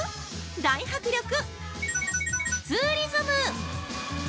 大迫力○○ツーリズム。